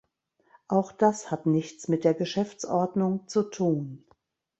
Auch das hat nichts mit der Geschäftsordnung zu tun.